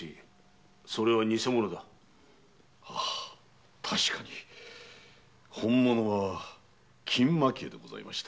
はい確かに本物は金蒔絵でございました。